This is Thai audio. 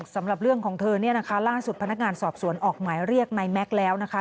สำหรับเรื่องของเธอเนี่ยนะคะล่าสุดพนักงานสอบสวนออกหมายเรียกในแม็กซ์แล้วนะคะ